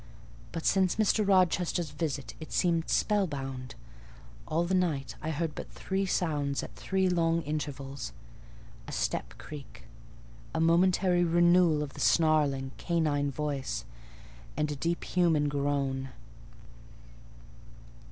But since Mr. Rochester's visit it seemed spellbound: all the night I heard but three sounds at three long intervals,—a step creak, a momentary renewal of the snarling, canine noise, and a deep human groan.